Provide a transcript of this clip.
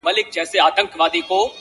• له هر چا یې پټه کړې مدعا وه -